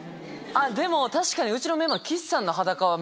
でも確かにうちのメンバーの岸さんの。